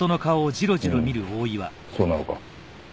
ふんそうなのか。